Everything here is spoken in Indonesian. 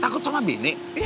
takut sama bini